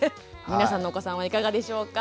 皆さんのお子さんはいかがでしょうか？